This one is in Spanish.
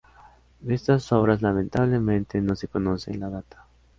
De estas obras, lamentablemente, no se conoce la data.